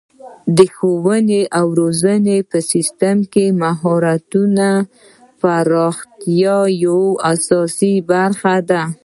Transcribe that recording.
د ښوونې او روزنې په سیستم کې د مهارتونو پراختیا یوه اساسي برخه ده.